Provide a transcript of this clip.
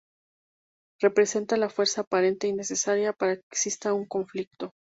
Representa la fuerza aparente y necesaria para que exista un conflicto.